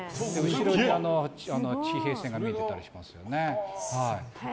後ろに地平線が見えてたりしますよね。